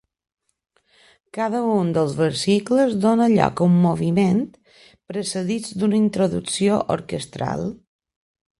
Cada un dels versicles dóna lloc a un moviment, precedits d'una introducció orquestral.